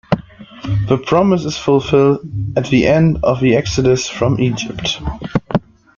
The promise is fulfilled at the end of the Exodus from Egypt.